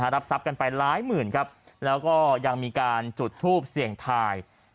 รับทรัพย์กันไปหลายหมื่นครับแล้วก็ยังมีการจุดทูปเสี่ยงทาย